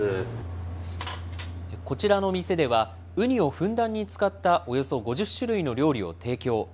こちらの店では、ウニをふんだんに使ったおよそ５０種類の料理を提供。